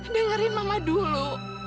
dengerin mama dulu